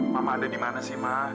mama ada di mana sih mak